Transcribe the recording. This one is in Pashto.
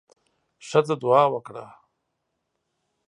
ښځه دعا وکړه.